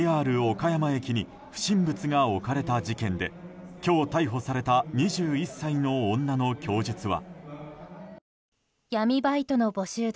岡山駅に不審物が置かれた事件で今日、逮捕された２１歳の女の供述は。